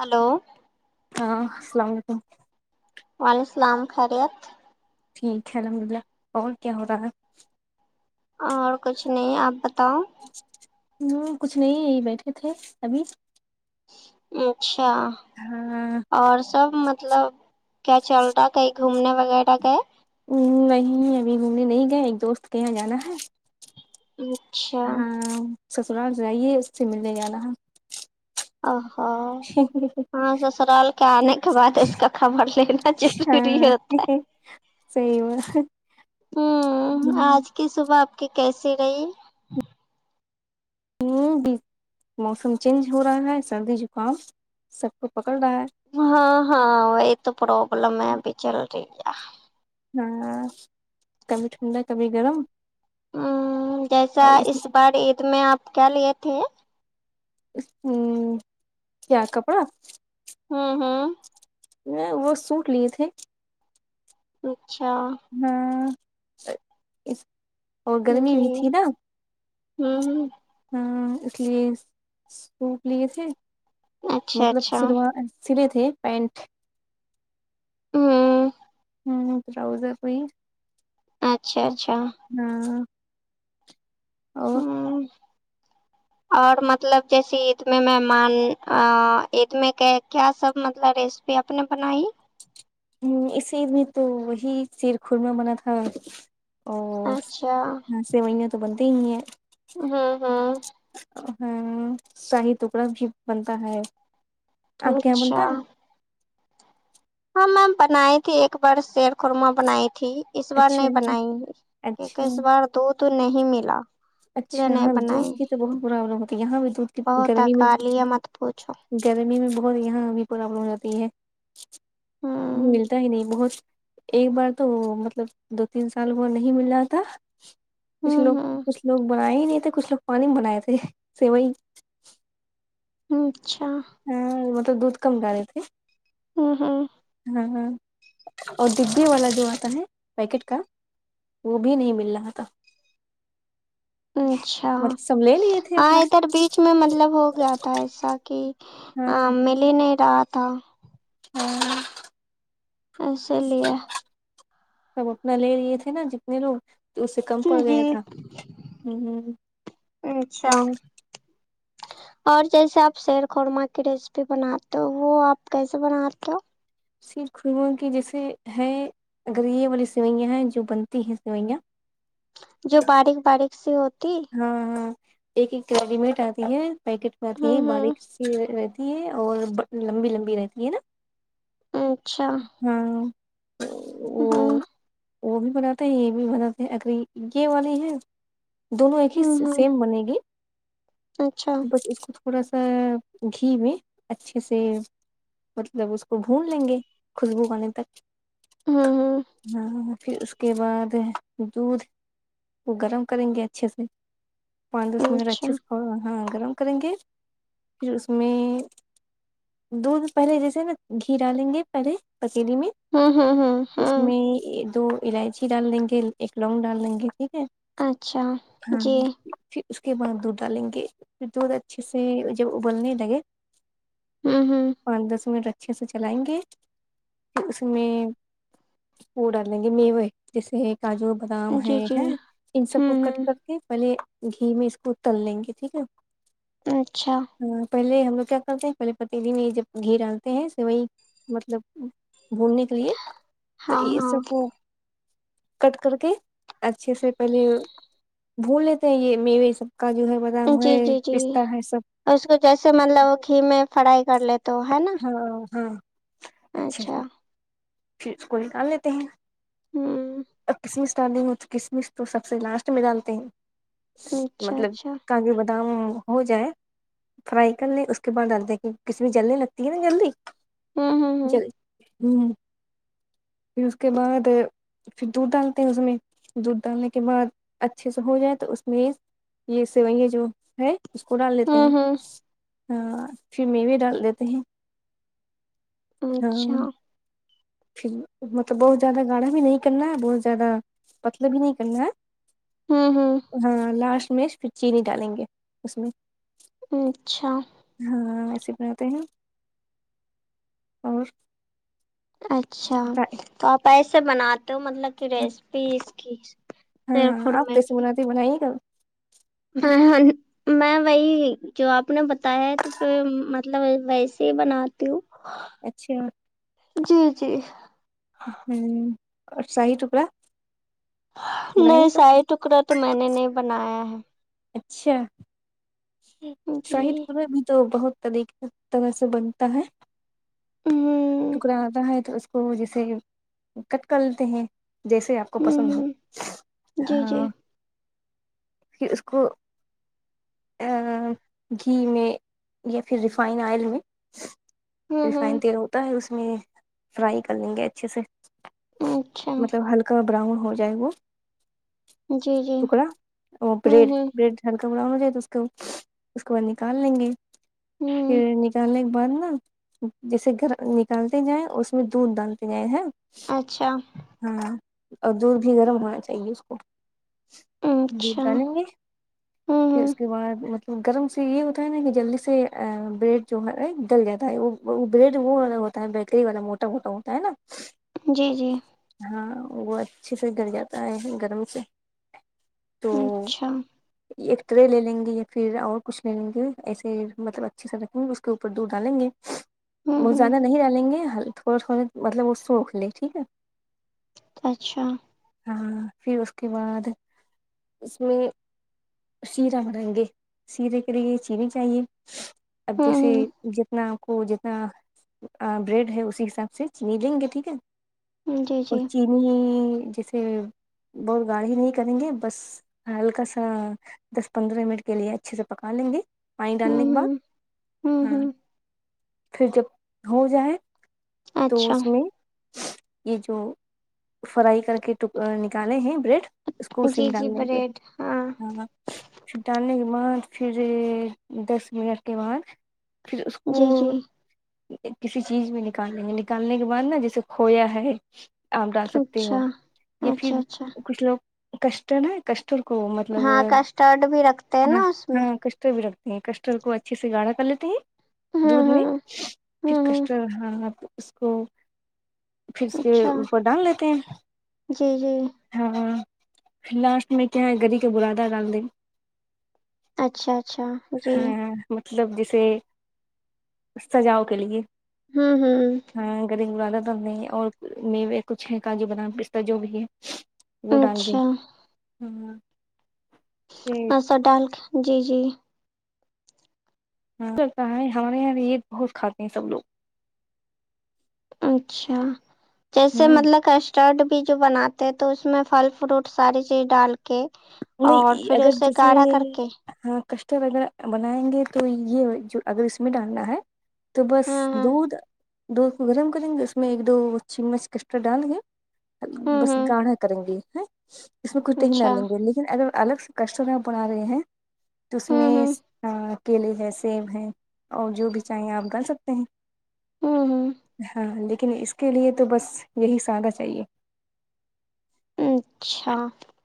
Hello ہاں السلام علیکم وعلیکم السلام خیریت ٹھیک ہے الحمدللہ اور کیا ہو رہا ہے اور کچھ نہیں آپ بتاؤ ہم کچھ نہیں یہ بیٹھے تھے ابھی اچھا ہاں اور سب مطلب کیا چل رہا کہی گھومنے وغیرہ گئے ہمم وہ ابھی گھومنے نہیں گئے ایک دوست کے یہاں جانا ہے اچھا ہاں سسرال جائیے اس سے ملنے جا نا ہے آہا ہاں سسرال کے آنے کے بعد اس کا خبر لینا ضروری ہاں ہو صحیح بات ہے ہے ہوں آج کی صبح آپ کے کیسے رہی ھمم موسم چینج ہو رہا ہے سردی زکام سب کو پکڑ رہا ہے ہاں ہاں وہی تو پروابلم ہے ابھی چل رہی ہے ہاں کبھی ٹھنڈا کبھی گرم ہمم جیسا اس بار عید میں آپ کیا لیے تھے ہمم کیا کپڑا ھمم ھمم میں وہ سوٹ لیے تھے اچھا ہاں اور گرمی جی بھی تھی نا ہوں ہوں ھمم اس لیے سوٹ لیے تھے اچھا مطلب اچھا سلوا سیلے تھے پینٹ ھمم ہوں ٹراؤزر وہی اچھا اچھا ہاں اور ہوں اور مطلب جیسے عید میں مہمان عید میں کیا سب مطلب اس پے آپ نے بنائی ھمم اس عید میں تو وہی شیر خورمہ بنا تھا او اچھا سوئیا تو بنتے ہی ہیں ہاں ہاں ہاں شاہی ٹکڑا بھی بنتا ہے آپ کے یہاں بنتا اچھا ہے ہاں میم بنائی تھی ایک بار شیر خورما بنائی تھی اس بار نہیں اچھا بنائیں گی کیونکہ اچھا اس بار دودھ نہیں ملا اسلئے اچھا نہیں دودھ بنائی کی تو بہت پرابلم ہوتی ہے یہاں بھی دودھ کی بہت گرمی میں اوکالی ہے مت پوچھو گرمی میں بہت یہاں ابھی پرابلم ہوتی ہے ہوں ملتا ہی نہیں بہت ایک بار تو مطلب دو تین سال وہ نہیں مل رہا تھا کچھ ہوں لوگ ہوں کچھ لوگ بنائے ہی نہیں تھے کچھ لوگ پانی ہی بنائے تھے سیوئی اچھا ہاں مطلب دودھ کم گا رہے تھے ہاں ہاں ہاں ہاں اور ڈڈے والا جو آتا ہے پیکٹ کا وہ بھی نہیں مل رہا تھا اچھا مطلب سب لے لیے تھے ہاں اپنا ادھر بیچ میں مطلب ہو گیا تھا ایسا کہ ہاں مل ہی نہیں رہا تھا [inaudible] اسیے لیا سب اپنا لے لیے تھے نا جتنے لوگ تو اس سے کم جی پڑ جی گیا تھا اچھا اور اور جیسے آپ شیر خورمہ کی ریسیپی بناتے ہو وہ آپ کیسے بناتے ہو سر خوں کی جیسے ہے اگرگر یہ والی سوئیاں ہیں جو بنتی ہیں سوئیاں جو باریک باریک سی ہوتی ہاں ہاں ایک ایک ریڈی مٹ آتی ہے پیکٹ میں آتی ہوں ہے ہوں باریک رہتی ہے اور لمبی لمبی رہتی ہے نا اچھا ہوں وہ ہوں وہ بھی بناتے ہیں یہ بھی بناتے ہیں اگر یہ والے ہیں دونوں ایک ہی ہوں ہوں سیم بنے گی اچھا بس اس تھوڑا سا گھی میں اچھے سے مطلب اس کو بھونون لیں گے خوشبو آنے تک ہاں ہاں ہاں پھر اس کے بعد دودھ وہ گرم کریں گے اچھے سے پانچ دس منٹ اچھا اچھے سے ہاں ہاں گرم کریں گے پھر اس میں دودھ پہلے جیسے نا گھی ڈالیں گے پہلے پتیلی میں ہوں ہوں ہوں اس ہوں میں دو الائچی ڈال لیں گے ایک لونگ ڈال لیں گے ٹھیک ہے اچھا ہاں جی پھر اس کے بعد دودھ ڈالیں گے پھر دودھ اچھے سے جب ابلنے لگے ہوں ہوں پانچ دس منٹ اچھے سے چلائیں گے اس میں وہ ڈال دیں گے میوے جیسے کاجو بادام ہے جی جی ہے ان سب کو ہوں کٹ ہوں کر پہلے گھی میں اس کو تل لیں گے ٹھیک ہے اچھا ہاں پہلے ہم لوگ کیا کرتے ہیں پہلے پتیلی میں جب گھی ڈالتے ہیں وہی مطلب بھولنے کے لیے تو ہاں یہ سب ہاں کو کٹ کر کے اچھے سے پہلے [inaudible] بھول لیتے ہیں یہ میوے سب کا جو ہے بادام جی ہے جی جی پستتا ہے سب اس کو جیسے ملب گھی میں فرائی کر لی تو ہے نا ہاں ہاں اچھا پھر اس کو ن ڈال لیتے ہیں ہوں اب کسمس ڈال دیں گے تو کسمس تو سب سے لاسٹ میں جانتے ہیں اچھا مطلب اچھا کاجو بادام ہو جائے فرائی کر لیں اس کے بعد ڈال د کچ بھی جلنے لگتی ہے نا جلدی ہوں ہوں جل ہوں پھر اس کے ماہت پھر دودھ ڈالتے ہیں اس میں دودھ ڈالنے کے بعد اچھے سے ہو جائے تو اس میں یہ سوئیں جو ہے اس کو ڈال دیتے ہوں ہیں ہوں ہ پھر میوے ڈال دیتے ہیں ہاں اچھا پھر مطلب بہت زیادہ گاڑا بھی نہیں کرنا ہے بہت زیادہ پتلا بھی نہیں کرنا ہے ہوں ہوں ہاں لاسٹ میں پھر چینی ڈالیں گے اس میں ہمم اچھا ہاں ویسے بناتے ہیں اور اچھا تو آپ ایسے بناتے ہو مطلب کہ ریسیپی اس کی شیر ہاں آپ خورمے کیسے کی بناتی بنائیے گا ہاں ہاں میں وہی جو آپ نے بتایا ہے تو پ مطلب ویسے ہی بنا اچھا جی جی ہوں اور شاہی ٹکڑا نہیں بنائیے ساہ کبھی ٹکڑا تو میں نے نہیں بنایا ہے اچھا ہے جی شاہد گو بھی تو بہت طریقے طرح سے بنتا ہے ہوں ٹکڑا آتا ہے تو اس کو جیسے کٹ کر لیتے ہیں جیسے آپ کو پسند ہو ہوں جی جی ہاں پھر اس کو ہاں گھی میں یا پھر ریفائن آئل میں ہوں ریفائن ہوں تیل ہوتا ہے اس میں فرائی کر لیں گے اچھے سے اچھا مطلب ہلکا براؤن ہو جائے وہ جی جی ٹکرا اور ہوں بریڈ ہوں بڈ ہلکا بڑان ہو جائے تو اس کو اس کو بعد نکال لیں گے ہوں پھر نکالنے کے بعد نا جیسے گھر نکالتے جائیں اس میں دودھ ڈالتے جائیں ہے اچھا ہاں اور دودھ بھی گرم ہونا چاہیے اس کو دودھ اچھا ڈالیں گے ہوں پھر ہوں اس کے بعد مطلب گرم سے یہ ہوتا ہے نا کہ جلدی سے بریڈ جو ہے نکل گیا تھا بریڈ وہ والا ہوتا ہے بیکری والا موٹا موٹا ہوتا ہے نا جی جی ہاں وہ اچھے سے گل جاتا ہے گرم سے تو اچھا ایک ٹرے لے لیں گے یا پھر اور کچھ لے لیں گے ایسے مطلب اچھے سے رکھیں گے اس کے اوپر دودھ ڈالیں گے ہوں وہ ہوں زیادہ نہیں ڈالیں گے ہل تھوڑا تھوڑے مطلب وہ سوک لیں ٹھیک ہے اچھا ہاں پھر اس کے بعد اس میں سیرم مہنگے شیرے کے لیے چینی چاہیے اب جیسے ہوں جتنا آپ کو جتنا بریڈ ہے اسی حساب سے چینی لینگے ٹھیک ہے ہوں جی اور جی چینی جیسے بہت گاڑی نہیں کریں گے بس ہلکا سا پندرہ منٹ کے لیے اچھے سے پکا لیں گے پانی ڈالنے کے ہوں بعد ہوں ہوں ہاں ہوں پھر جب ہو جائے تو اچھا اس میں یہ جو فرائی کر کے نکالے ہیں بریڈ اسکو اسی جی میں جی دالینگے بریڈ ہاں پھر ڈالنے کے بعد پھر دس منٹ کے بعد پھر اس کو جی جی کسی چیز میں نکالیں گے نکالنے کے بعد نا جیسے کھویا ہے آپ ڈال سکتے ہو اچھا یا اچھا پھر اچھا کچھ لوگ کسٹرڈ ہے نہ کسٹرڈ کو مطلب [unintelligible] بھی رکھ ہاں ہاں کسٹرڈ بھی رکھتے ہیں کسٹرڈ کو اچھے سے گاڑھا کر لیتے ہیں ہوں دودھ میں ہوں پھر ہوں ہوں کسٹرڈ رہا اس کو پھر اس کے اچھا اوپر ڈال لیتے ہیں جی جی ہاں لاسٹ میں کیا ہے [unintelligible] اچھا اچھا جی ہاں مطلب جیسے سجاؤ کے لیے ہوں ہوں تو نہیں اور م کچھ ہے کاجو بادام پستہ جو بھی ہے وہ ڈال دیں اچھا یہ ہ سب ڈال کے جی جی اکثر کیا ہے ہمارے یہاں عید بہت کھاتے ہیں سب لوگ اچھا جیسے ہوں مطلب کش ٹرڈ بھی جو بناتے ہیں تو اس میں پھل فروٹ ساری چیز ڈال کے اور نہیں پھر اگر اسے جیسے گاڑھا کر کے ہاں کسٹرڈ وغیرہ بنائیں گے تو یہ جو اگر اس میں ڈالنا ہے تو بس ہاں ہاں دودھ دودھ کو گرم کرینگے تو اس میں ایک دو چمچ کسٹر ڈالیں ہوں بس ہوں گاڑھا کریں گے ہاں اس میں کچھ نی اچھا ڈالینگے لیکن لیکن اگر الگ سے کسٹرڈ بنا رہے ہیں تو اس ہوں ہوں میں کیلے ہے سیب ہے اور جو بھی چاہیں آپ ڈال سکتے ہیں ہوں ہاں لیکن اس کے لیے تو بس یہی سارہ چاہیے اچھا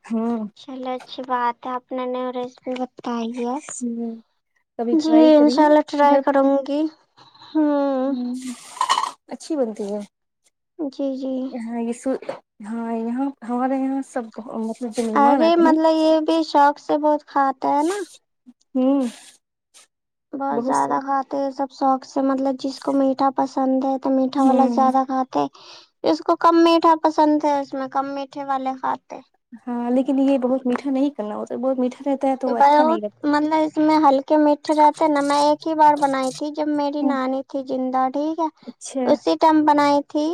ہاں چلو اچھی بات ہے اپنے نیو ریسیپی بتا بتائی ہے کبھی جی ٹرائی کریے انشاء اللہ ٹرائی کروں گی ہاں ہ اچھی بنتی ہے جی جی ہاں یہ س ہاں یہاں ہمارے یہاں سب مطلب بہت ارے مطلب یہ بھی شوک سے بہت کھاتا ہے نا ہم بہت زیادہ کھاتے ہیں سب شوک سے مطلب جس کو میٹھا پسند ہے تو میٹھا والا ہ زیادہ کھاتے جس کو کم میٹھا پسند ہے اس میں کم میٹھے والے کھاتے ہاں لیکن یہ بہت میٹھا نہیں کرنا اس بہت میٹھا رہتا ہے تو اچھا بہت نہیں رہتا مطلب اس میں ہلکے میٹھے رہتے نا میں ایک ہی بار بنائی تھی جب میری نانی جی جندہ ٹھیک ہے اچھا اس ٹائم بنائی تھی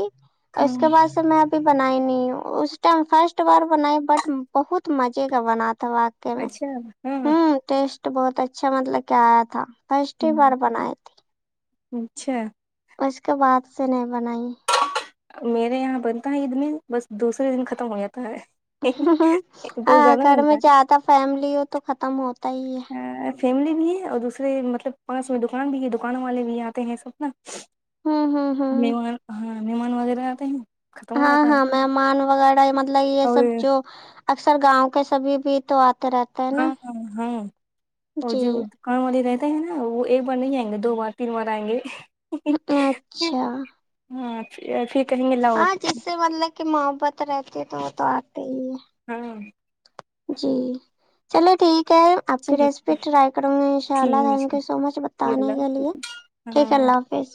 اور اس کے ہ بعد میں ابھی بنائی نہیں ہوں اس ٹائم فرسٹ بار بنائی بٹ بہت مزے کا بنا تھا میں اچھا ہاں ہوں ٹیسٹ بہت اچھا مطلب کہ آیا تھا فرسٹ ہی ہ بار بنائے تھی اچھا اور اس کے بعد سے نہیں بنائی میرے یہاں بنتا ہے یہ دن بس دوسرے دن ختم ہو جاتا ہے ہ بہت ہاں زیادہ گھر بنتا میں ہے جاتا فیملی ہو تو ختم ہوتا ہی ہے فیملی بھی ہے اور دوسرے مطلب پانچو دکان بھی ہے دوکان والے بھی آتے ہیں سب نا ہوں ہوں ہوں مہمان ہاں مہمان وغیرہ آتے ہے نہ ختم ہو ہاں جاتا ہاں مہمان وغیرہ مطلب یہ اور سب جو اکثر گاؤں کے سبھی بھی تو آتے رہتے ہیں ہاں نا ہاں ہاں وہ جی جو کم والی رہتے ہے نا وہ ایک بار نہیں آئیں گے دو بار تین بار آئیں گے ہ اچھا ہاں پھر کہایں گے لاو ہاں جس سے مطلب کہ محبت رہتی ہے تو وہ تو آتے ہی ہے ہاں جی چلو ٹھیک ہے آپ کی ٹھیک ریسیپی ٹرائی کروں گی انشاء اللہ تھینک ٹھیک یو سو مچ ہے اللہ بتانے حافظ۔ کے لیے ٹھیک ہے ہاں اللہ حافظ